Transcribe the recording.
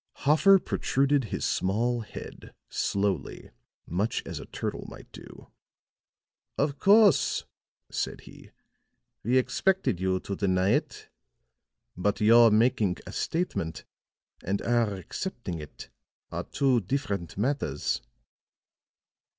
Hoffer protruded his small head, slowly, much as a turtle might do. "Of course," said he, "we expected you to deny it. But your making a statement and our accepting it are two different matters."